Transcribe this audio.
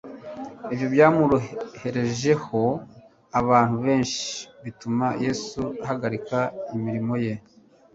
Ibyo byamureherejeho abantu benshi, bituma Yesu ahagarika imirimo ye.